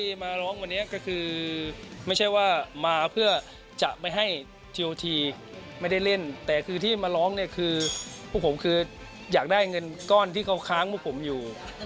มาร้องวันนี้ก็คือไม่ใช่ว่ามาเพื่อจะไม่ให้ทีโอทีไม่ได้เล่นแต่คือที่มาร้องเนี่ยคือพวกผมคืออยากได้เงินก้อนที่เขาค้างพวกผมอยู่